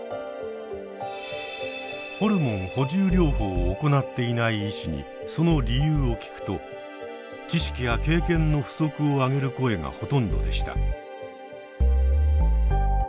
ホルモン補充療法を行っていない医師にその理由を聞くと知識や経験の不足をあげる声がほとんどでした。